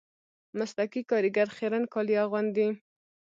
مسلکي کاریګر خیرن کالي اغوندي